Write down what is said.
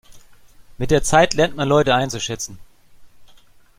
Mit der Zeit lernt man Leute einzuschätzen.